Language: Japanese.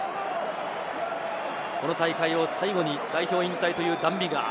この大会を最後に代表引退というダン・ビガー。